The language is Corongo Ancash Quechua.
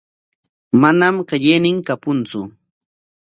Manam qillaynin kapuntsu.